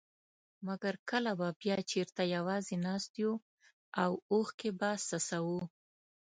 مګر کله به بيا چېرته يوازي ناست يو او اوښکي به څڅوو.